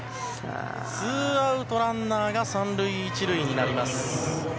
ツーアウト、ランナーが３塁１塁になります。